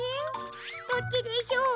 どっちでしょう？